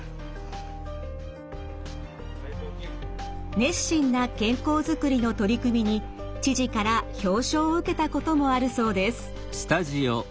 熱心な健康づくりの取り組みに知事から表彰を受けたこともあるそうです。